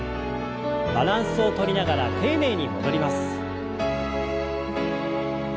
バランスをとりながら丁寧に戻ります。